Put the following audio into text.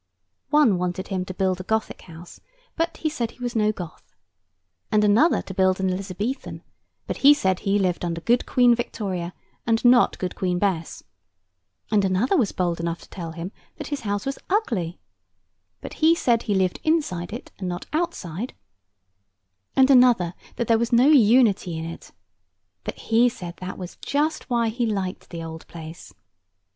One wanted him to build a Gothic house, but he said he was no Goth; and another to build an Elizabethan, but he said he lived under good Queen Victoria, and not good Queen Bess; and another was bold enough to tell him that his house was ugly, but he said he lived inside it, and not outside; and another, that there was no unity in it, but he said that that was just why he liked the old place.